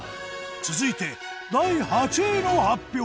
続いて第８位の発表。